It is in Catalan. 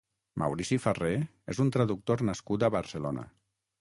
Maurici Farré és un traductor nascut a Barcelona.